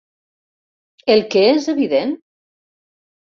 El què és evident?